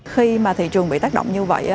khi mà thị trường bị tác động như vậy